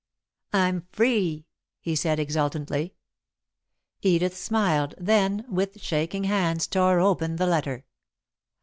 "I'm free!" he said, exultantly. Edith smiled, then, with shaking hands, tore open the letter.